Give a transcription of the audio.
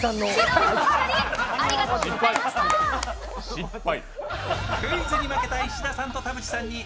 失敗。